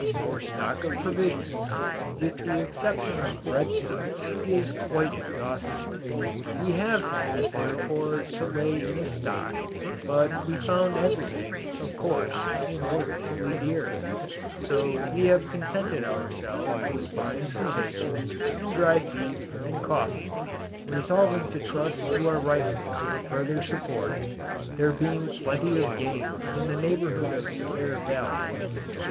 Our stock of provisions, with the exception of breadstuffs, is quite exhausted. We have had, therefore, to lay in a stock, but we found everything, of course, inordinately dear; so we have contented ourselves with buying some bacon, and dried beef, and coffee, resolving to trust to our rifles for further support, there being plenty of game in the neighbourhood of the Bear Valley.